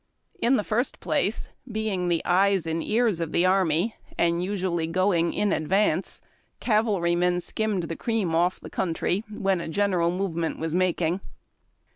In the first place, being the eyes and the ears of the army, and usually going in advance, cavalrymen skimmed the cream off the country when a general movement was making.